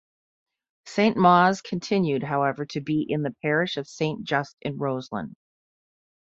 Saint Mawes continued however to be in the parish of Saint Just in Roseland.